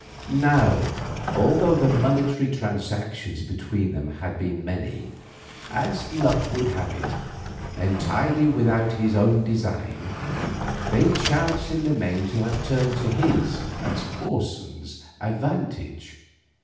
Now, although the monetary transactions between them had been many, as luck would have it—entirely without his own design—they chanced in the main to have turned to his, Porson's, advantage.